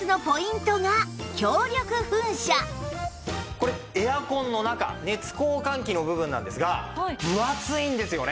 これエアコンの中熱交換器の部分なんですが分厚いんですよね。